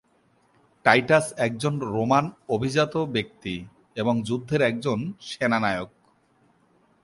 Titus একজন Roman অভিজাত ব্যক্তি এবং যুদ্ধের একজন সেনানায়ক।